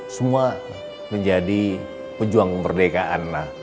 semua menjadi pejuang kemerdekaan